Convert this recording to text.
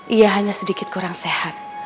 ia hanya sedikit kurang sehat